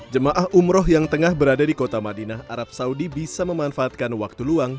jemaah umroh yang tengah berada di kota madinah arab saudi bisa memanfaatkan waktu luang